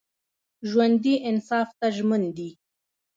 ژوندي انصاف ته ژمن دي